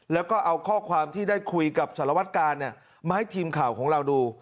แล้วก็เอาข้อความที่ได้คุยกับสารวัตกาลมาให้ทีมข่าวของเราดู